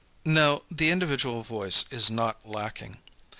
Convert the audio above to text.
Now, the individual voice is not lacking.